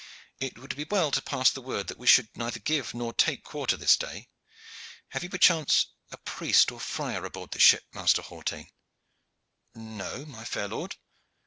It would be well to pass the word that we should neither give nor take quarter this day. Have you perchance a priest or friar aboard this ship, Master Hawtayne?" "No, my fair lord."